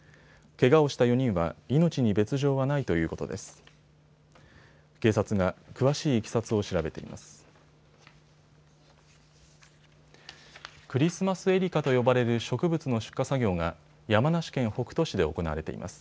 けがをした４人は命に別状はないということです。